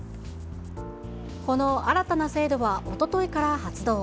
この新たな制度はおとといから発動。